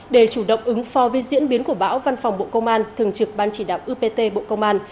để chủ động ứng pho với diễn biến của bão văn phòng bộ công an thường trực ban chỉ đạo upt bộ công an